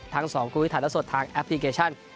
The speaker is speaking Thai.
ทั้งสองคู่ที่ถ่ายแล้วสดทางแอปพลิเคชัน